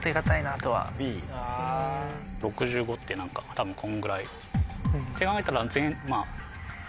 多分こんぐらい。って考えたら。